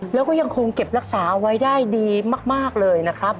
แล้วก็ยังคงเก็บรักษาเอาไว้ได้ดีมากเลยนะครับ